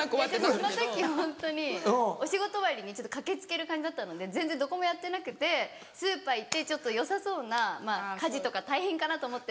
その時ホントにお仕事終わりに駆け付ける感じだったので全然どこもやってなくてスーパー行ってちょっとよさそうな家事とか大変かなと思って。